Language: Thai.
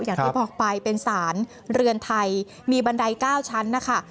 อย่างที่บอกไปเป็นสารเรือนไทยมีบันได๙ชั้นนะคะ